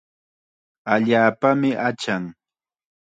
Allaapami achan.